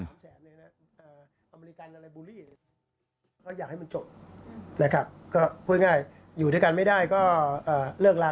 อยากให้มันจบเลยครับก็พูดง่ายอยู่ด้วยกันไม่ได้ก็เลิกลา